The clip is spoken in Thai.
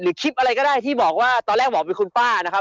คลิปอะไรก็ได้ที่บอกว่าตอนแรกบอกเป็นคุณป้านะครับ